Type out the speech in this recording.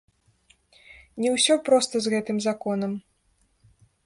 Не ўсё проста з гэтым законам.